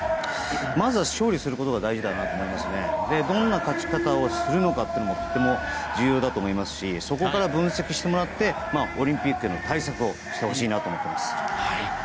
まずは勝利することが大事だなと思いますしどんな勝ち方をするのかもとても重要だと思いますしそこから分析してもらってオリンピックへの対策をしてもらいたいなと思います。